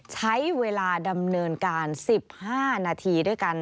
ใช้เวลาดำเนินการ๑๕นาทีด้วยกัน